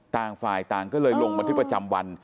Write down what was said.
ต่างฝ่ายต่างก็เลยลงบันทึกประจำวัน